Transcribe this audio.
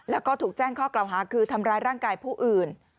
แล้วก็ถูกแจ้งข้อกล่าวหาคือทำร้ายร่างกายผู้อื่น